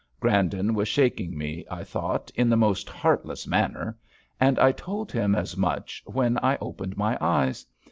Grandon was shaking me, I thought, in the most heartless manner, and I told him as much when I opened my eyes.